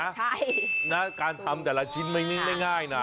ใช่นะการทำแต่ละชิ้นไม่ง่ายนะ